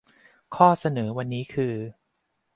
ข้อเสนอวันนี้คือ